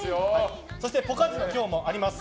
そしてポカジノ、今日もあります。